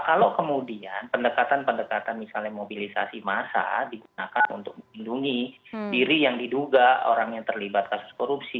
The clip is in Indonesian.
kalau kemudian pendekatan pendekatan misalnya mobilisasi massa digunakan untuk melindungi diri yang diduga orang yang terlibat kasus korupsi